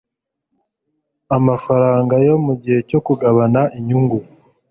amafaranga yo mu gihe cyo kugabana inyungu